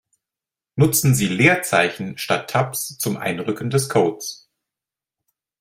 Nutzen Sie Leerzeichen statt Tabs zum Einrücken des Codes.